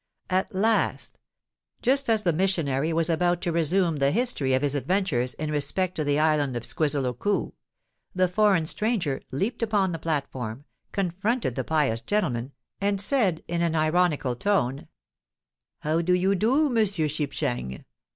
At last—just as the missionary was about to resume the history of his adventures in respect to the island of Squizzle o Koo—the foreign stranger leaped upon the platform, confronted the pious gentleman, and said in an ironical tone, "How you do, Monsieur Shipshang?